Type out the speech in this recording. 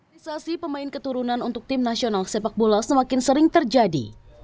mobilisasi pemain keturunan untuk tim nasional sepak bola semakin sering terjadi